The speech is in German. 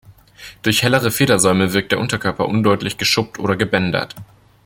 Durch hellere Federsäume wirkt der Unterkörper undeutlich geschuppt oder gebändert.